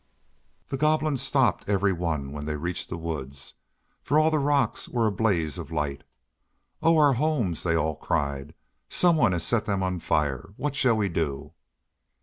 The Goblins stopped every one when they reached the woods, for all the rocks were a blaze of light. "Oh, our homes!" they all cried; "someone has set them on fire. What shall we do?"